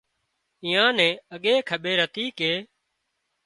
ايئان نين اڳي کٻير هتي ڪي